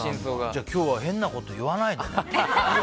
じゃあ今日は変なこと言わないでね。